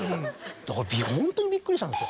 だからホントにびっくりしたんですよ。